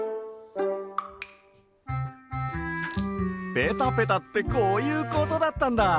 ペタペタってこういうことだったんだ！